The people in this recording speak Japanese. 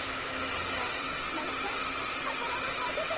さあまやちゃんたからばこあけて。